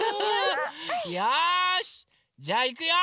よしじゃあいくよ！